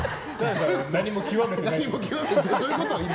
何？どういうこと？